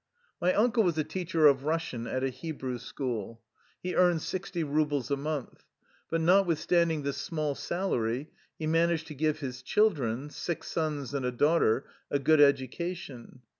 My uncle was a teacher of Eussian at a He brew school. He earned sixty rubles a month. But notwithstanding this small salary, he man aged to give his children — six sons and a daughter — a good education.